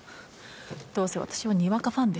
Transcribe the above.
どうせ私はにわかファンですよ。